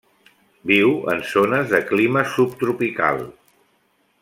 Viu en zones de clima subtropical.